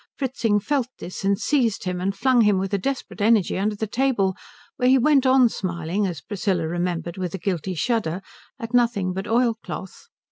Fritzing felt this, and seized him and flung him with a desperate energy under the table, where he went on smiling, as Priscilla remembered with a guilty shudder, at nothing but oilcloth.